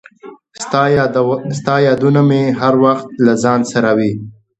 • ستا یادونه مې هر وخت له ځان سره وي.